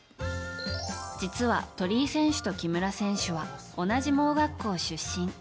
実は鳥居選手と木村選手は同じ盲学校出身。